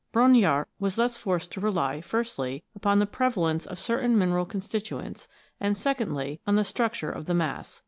Brongniart was thus forced to rely, firstly, upon the prevalence of certain mineral constituents, and, secondly, on the structure of the mass.